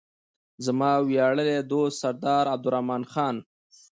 زما ویاړلی دوست سردار عبدالرحمن خان.